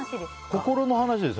心の話です。